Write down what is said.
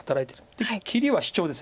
で切りはシチョウです。